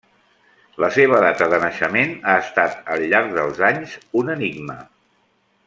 La seva data de naixement ha estat al llarg dels anys un enigma.